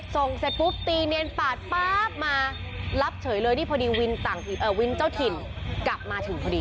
เสร็จปุ๊บตีเนียนปาดป๊าบมารับเฉยเลยนี่พอดีวินเจ้าถิ่นกลับมาถึงพอดี